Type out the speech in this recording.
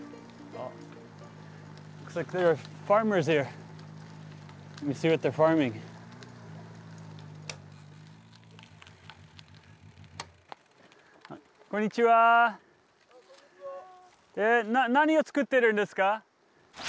何を作ってるんですか？